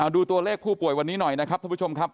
ดูตัวเลขผู้ป่วยวันนี้หน่อยนะครับท่านผู้ชมครับ